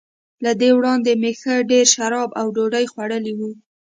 له دې وړاندي مې ښه ډېر شراب او ډوډۍ خوړلي وو.